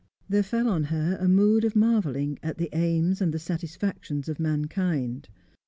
There fell on her a mood of marvelling at the aims and the satisfactions of mankind.